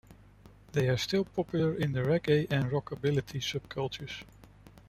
They are still popular in the raggare and rockabilly subcultures.